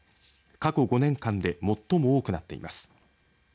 過去５年間で最も多くなっています。